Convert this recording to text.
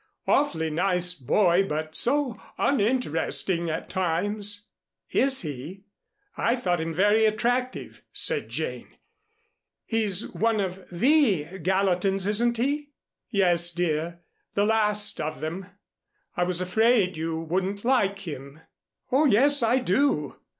Awfully nice boy, but so uninteresting at times." "Is he? I thought him very attractive," said Jane. "He's one of the Gallatins, isn't he?" "Yes, dear, the last of them. I was afraid you wouldn't like him." "Oh, yes, I do.